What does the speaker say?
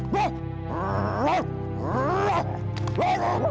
มีชิ้นสูงขึ้นเปลี่ยน